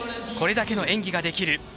これだけの演技ができる